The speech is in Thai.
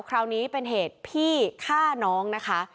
คราวนี้เป็นเหตุพี่ฆ่าน้องนะคะ